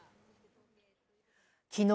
きのう